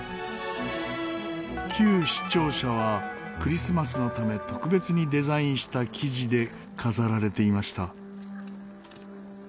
旧市庁舎はクリスマスのため特別にデザインした生地で飾られていました。